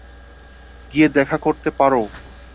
গিয়ে দেখা করতে পারো।